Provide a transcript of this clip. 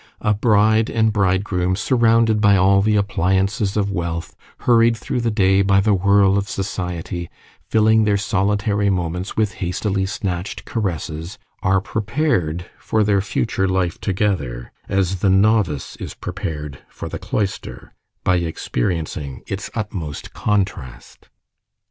A bride and bridegroom, surrounded by all the appliances of wealth, hurried through the day by the whirl of society, filling their solitary moments with hastily snatched caresses, are prepared for their future life together as the novice is prepared for the cloister by experiencing its utmost contrast.